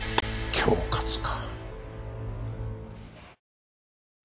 恐喝か。